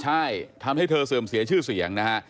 ใช่ทำให้เธอเสื่อมเสียชื่อเสียงนะฮะ